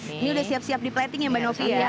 ini udah siap siap di plating ya mbak novi ya